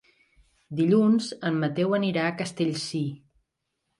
Dilluns en Mateu anirà a Castellcir.